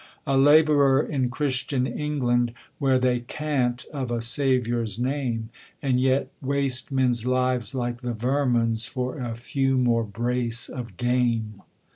'A labourer in Christian England, Where they cant of a Saviour's name, And yet waste men's lives like the vermin's For a few more brace of game.